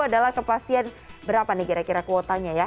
adalah kepastian berapa nih kira kira kuotanya ya